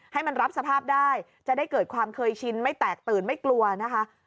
ให้มันรับสภาพได้จะได้เกิดความเคยชินไม่แตกตื่นไม่กลัวนะคะ